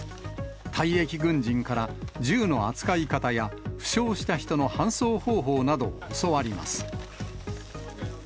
退役軍人から銃の扱い方や、負傷した人の搬送方法などを教わります。